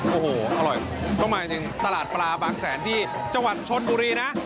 โอ้โหอร่อยต้องมาจริงตลาดปลาบางแสนที่จังหวัดชนบุรีนะ